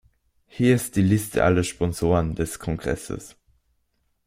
Hier ist die Liste aller Sponsoren des Kongresses.